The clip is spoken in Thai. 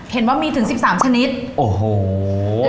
เห็นว่ามีถึง๑๓ชนิดโอ้โหเยอะเกิน